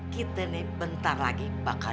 kita nih bentar lagi bakal